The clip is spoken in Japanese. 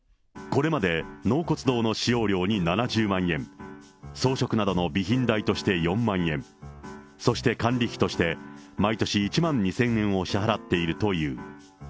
これまで納骨堂の使用料に７０万円、装飾などの備品代として４万円、そして管理費として毎年１万２０００円を支払っているという。